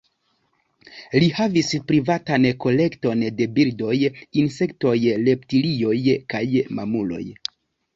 Li havis privatan kolekton de birdoj, insektoj, reptilioj kaj mamuloj.